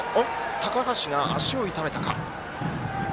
高橋が足を痛めたか？